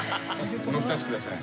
この２つください